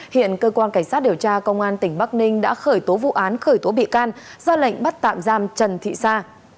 hiện cơ quan cảnh sát điều tra công an tỉnh bắc ninh đã khởi tố vụ án khởi tố bị can ra lệnh bắt tạm giam trần thị sa